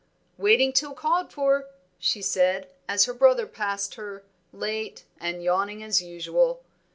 "Waiting till called for," she said, as her brother passed her, late and yawning as usual.